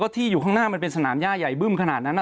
ที่อยู่ข้างหน้ามันเป็นสนามย่าใหญ่บึ้มขนาดนั้น